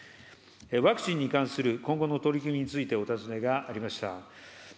ワクチンに関する今後の取り組みについてお尋ねがありました。